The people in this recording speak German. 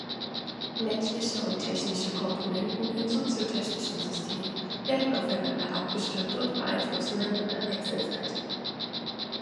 Menschliche und technische Komponenten im soziotechnischen System werden aufeinander abgestimmt und beeinflussen einander wechselseitig.